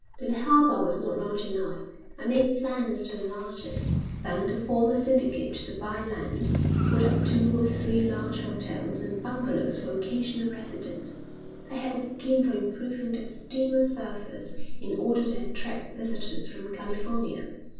The harbour was not large enough. I made plans to enlarge it, then to form a syndicate to buy land, put up two or three large hotels, and bungalows for occasional residents; I had a scheme for improving the steamer service in order to attract visitors from California.